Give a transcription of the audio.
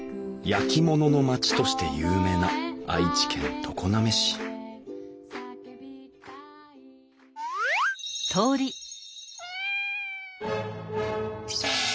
焼き物の町として有名な愛知県常滑市すごい。